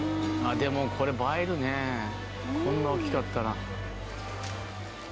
でもこれ映えるねこんな大きかったら。